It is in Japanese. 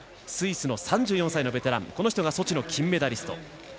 スイスの３４歳のベテランソチの金メダリスト。